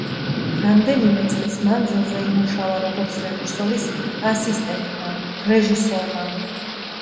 რამდენიმე წლის მანძილზე იმუშავა როგორც რეჟისორის ასისტენტმა, რეჟისორმა.